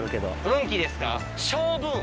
運気ですか？